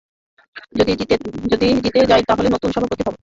যদি জিতে যাই তাহলে নতুন সভাপতি হবো।